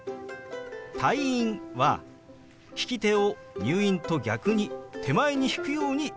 「退院」は利き手を「入院」と逆に手前に引くように動かしますよ。